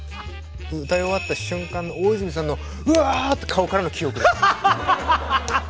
歌い終わった瞬間の大泉さんのうわって顔からの記憶。